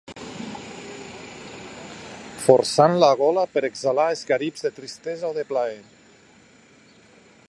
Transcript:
Forçant la gola per exhalar esgarips de tristesa o de plaer.